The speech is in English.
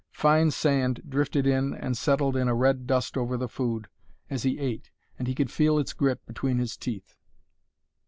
Fine sand drifted in and settled in a red dust over the food as he ate, and he could feel its grit between his teeth.